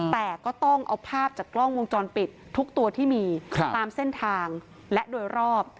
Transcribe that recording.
แต่ก็ต้องเอาภาพจากกล้องวงจรปิดทุกตัวที่มีตามเส้นทางและโดยรอบ